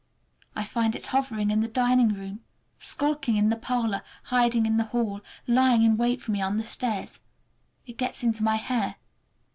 I find it hovering in the dining room, skulking in the parlor, hiding in the hall, lying in wait for me on the stairs. It gets into my hair.